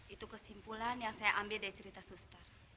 itu kesimpulan yang saya ambil dari cerita suster